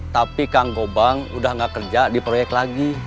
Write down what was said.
tapi kang gobang udah gak kerja di proyek lagi